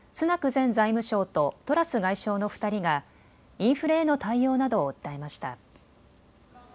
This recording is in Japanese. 前財務相とトラス外相の２人がインフレへの対応などを訴えました。